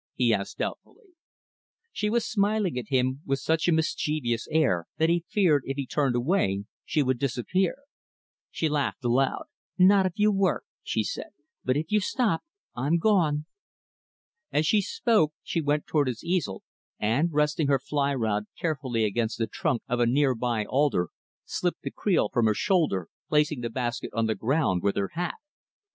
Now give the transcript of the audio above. he asked doubtfully. She was smiling at him with such a mischievous air, that he feared, if he turned away, she would disappear. She laughed aloud; "Not if you work," she said. "But if you stop I'm gone." As she spoke, she went toward his easel, and, resting her fly rod carefully against the trunk of a near by alder, slipped the creel from her shoulder, placing the basket on the ground with her hat.